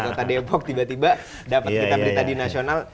kota depok tiba tiba dapat berita berita di nasional